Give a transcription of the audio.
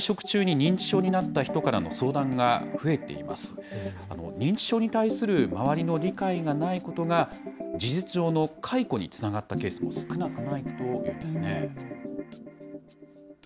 認知症に対する周りの理解がないことが、事実上の解雇につながったケースも少なくないというんですね。